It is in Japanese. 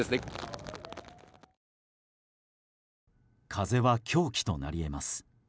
風は凶器となり得ます。